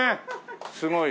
すごい。